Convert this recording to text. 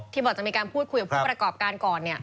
ที่บอกว่าจะมีการพูดคุยกับผู้ประกอบการก่อนเนี่ย